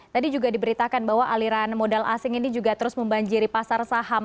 tadi juga diberitakan bahwa aliran modal asing ini juga terus membanjiri pasar saham